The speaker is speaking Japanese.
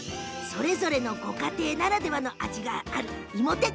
それぞれのご家庭ならではの味がある、いも天。